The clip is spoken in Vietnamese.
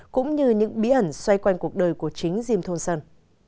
cũng như những bí ẩn xoay quanh cuộc đời của chính jim thomson